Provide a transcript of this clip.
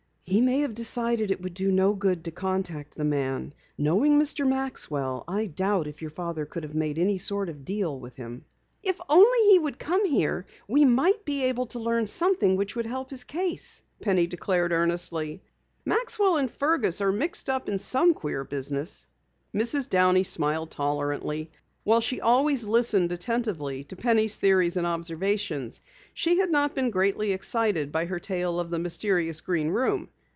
"He may have decided it would do no good to contact the man. Knowing Mr. Maxwell I doubt if your father could make any sort of deal with him." "If only he would come here he might be able to learn something which would help his case," Penny declared earnestly. "Maxwell and Fergus are mixed up in some queer business." Mrs. Downey smiled tolerantly. While she always listened attentively to Penny's theories and observations, she had not been greatly excited by her tale of the mysterious Green Room.